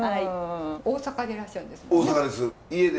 大阪でいらっしゃるんですもんね。